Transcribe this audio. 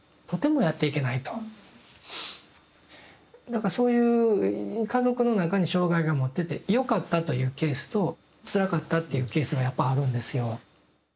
だからそういう家族の中に障害が持っててよかったというケースとつらかったっていうケースがやっぱあるんですよ。